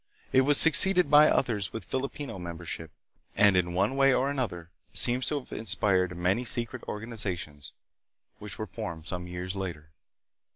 It was succeeded by others with Filipino membership, and in one way or another seems to have inspired many secret organizations, which were formed some years later.